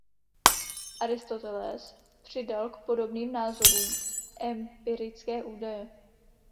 Aristoteles přidal k podobným názorům empirické údaje.